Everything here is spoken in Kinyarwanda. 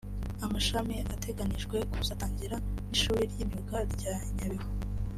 Amashami ateganijwe kuzatangirana n’ishuri ry’imyuga rya Nyabihu